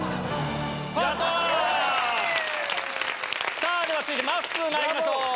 さぁ続いてまっすーまいりましょう。